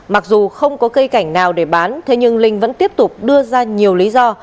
mặc dù không có cây cảnh nào để bán thế nhưng linh vẫn tiếp tục đưa ra nhiều lý do